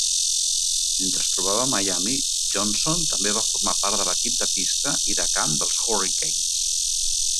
Mentre es trobava a Miami, Johnson també va formar part de l'equip de pista i de camp dels Hurricanes.